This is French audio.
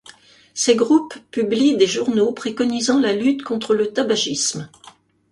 Ces groupes publient des journaux préconisant la lutte contre le tabagisme.